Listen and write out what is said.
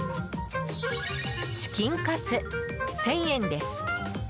チキンカツ、１０００円です。